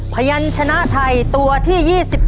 พยันชนะไทยตัวที่๒๑